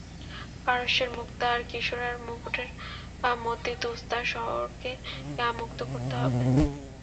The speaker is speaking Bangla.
পারস্যের মুক্তা আর কিসরার মুকুটের মতি তুসতার শহরকে মুক্ত করতে হবে।